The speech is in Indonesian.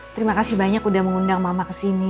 terima kasih banyak udah mengundang mama kesini